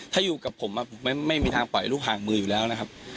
ถ้าอยู่กับผมไม่มีทางปล่อยลูกห่างมืออยู่แล้วนะครับ